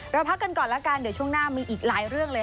พักกันก่อนแล้วกันเดี๋ยวช่วงหน้ามีอีกหลายเรื่องเลย